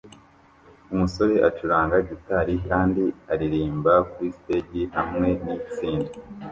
Umusore acuranga gitari kandi aririmba kuri stage hamwe nitsinda